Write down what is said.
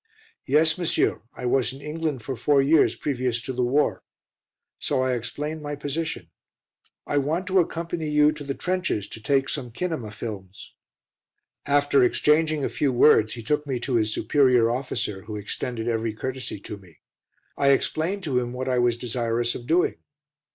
"Yes, monsieur, I was in England for four years previous to the war." So I explained my position. "I want to accompany you to the trenches to take some kinema films." After exchanging a few words he took me to his superior officer, who extended every courtesy to me. I explained to him what I was desirous of doing.